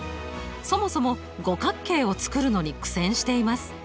そもそも五角形を作るのに苦戦しています。